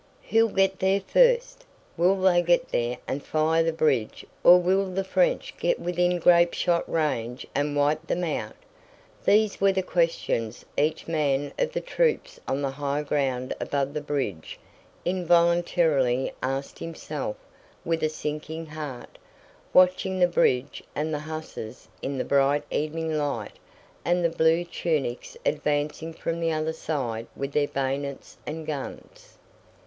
Who'll get there first? Will they get there and fire the bridge or will the French get within grapeshot range and wipe them out?" These were the questions each man of the troops on the high ground above the bridge involuntarily asked himself with a sinking heart—watching the bridge and the hussars in the bright evening light and the blue tunics advancing from the other side with their bayonets and guns.